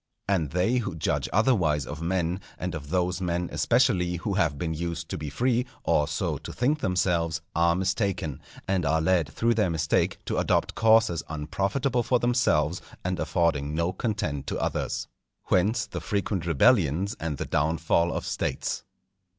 And they who judge otherwise of men, and of those men, especially, who have been used to be free, or so to think themselves, are mistaken; and are led through their mistake to adopt courses unprofitable for themselves and affording no content to others. Whence, the frequent rebellions and the downfall of States.